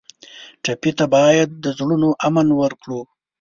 ټپي ته باید د زړونو امن ورکړو.